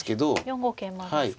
４五桂馬ですか。